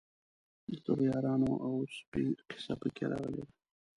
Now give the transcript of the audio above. د دغو یارانو او سپي قصه په کې راغلې ده.